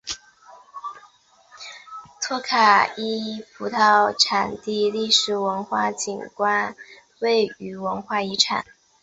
托卡伊葡萄酒产地历史文化景观是位于匈牙利的一处世界文化遗产。